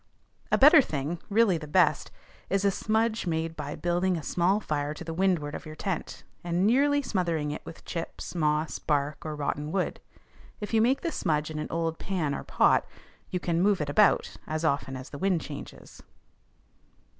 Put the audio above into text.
A better thing, really the best, is a smudge made by building a small fire to the windward of your tent, and nearly smothering it with chips, moss, bark, or rotten wood. If you make the smudge in an old pan or pot, you can move it about as often as the wind changes.